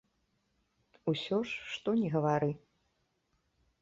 Усё ж што ні гавары.